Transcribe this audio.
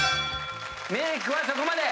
メイクはそこまで！